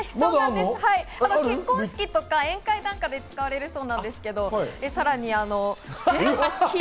結婚式とか宴会なんかで使われるそうなんですけど、大きい。